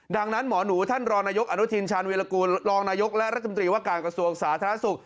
ดังนั้นหมอหนูท่านรองนายกอนุทินชาญวิรากูลรองนายกและรัฐมนตรีว่าการกระทรวงสาธารณสุข